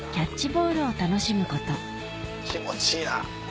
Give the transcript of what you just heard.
気持ちいいな。